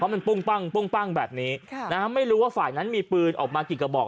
มันปุ้งปั้งปุ้งปั้งแบบนี้ไม่รู้ว่าฝ่ายนั้นมีปืนออกมากี่กระบอก